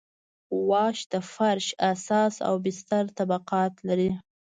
واش د فرش اساس او بستر طبقات لري